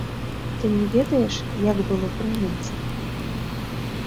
Ты не ведаеш, як было пры немцах?